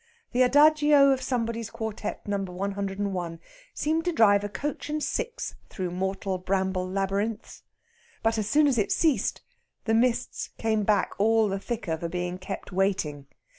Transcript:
The adagio of Somebody's quartette No. 101 seemed to drive a coach and six through mortal bramble labyrinths. But as soon as it ceased, the mists came back all the thicker for being kept waiting.